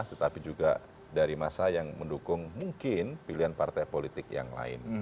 tetapi juga dari masa yang mendukung mungkin pilihan partai politik yang lain